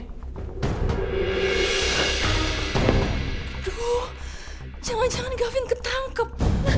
aduh jangan jangan gavin ketangkep